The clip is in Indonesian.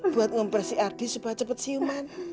buat ngumpersi ardi supaya cepat siuman